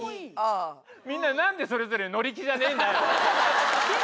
みんななんでそれぞれ乗り気じゃねえんだよ！